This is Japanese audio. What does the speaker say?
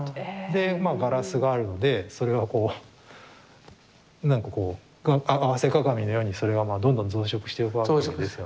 でまあガラスがあるのでそれはこう何かこう合わせ鏡のようにそれがどんどん増殖していくわけですよね。